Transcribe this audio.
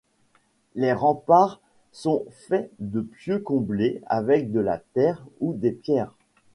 Les remparts sont faits de pieux comblés avec de la terre ou des pierres.